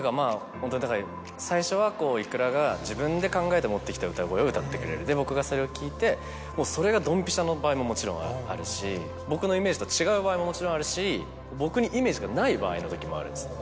ホントにだから最初は。を歌ってくれるで僕がそれを聴いてそれがドンピシャの場合ももちろんあるし僕のイメージと違う場合ももちろんあるし僕にイメージがない場合の時もあるんですよ。